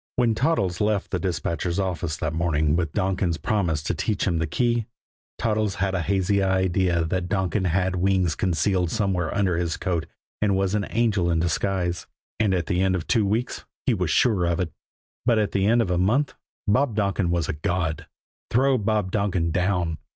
When Toddles left the dispatcher's office that morning with Donkin's promise to teach him the key, Toddles had a hazy idea that Donkin had wings concealed somewhere under his coat and was an angel in disguise; and at the end of two weeks he was sure of it. But at the end of a month Bob Donkin was a god! Throw Bob Donkin down!